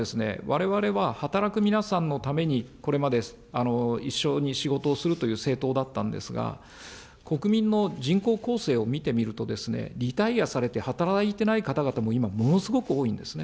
それから２点目は、われわれは働く皆さんのためにこれまで一緒に仕事をするという政党だったんですが、国民の人口構成を見てみるとですね、リタイアされて働いていない方々も今、ものすごく多いんですね。